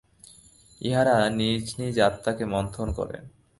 ইঁহারা নিজ নিজ আত্মাকে মন্থন করেন।